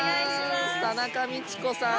田中道子さん！